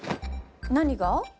何が？